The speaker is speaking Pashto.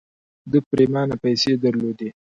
ده پرېمانه پيسې درلودې.